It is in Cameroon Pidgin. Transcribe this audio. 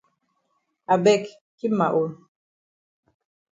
I beg keep ma own.